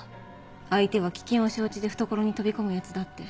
相手は危険を承知で懐に飛び込むヤツだって。